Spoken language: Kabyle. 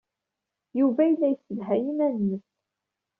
Yuba yella yessedhay iman-nnes.